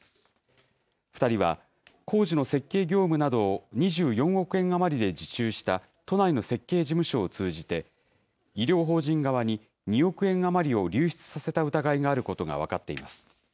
２人は、工事の設計業務などを２４億円余りで受注した都内の設計事務所を通じて、医療法人側に２億円余りを流出させた疑いがあることが分かっています。